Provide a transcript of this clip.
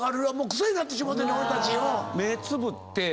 癖になってしもうてんねん。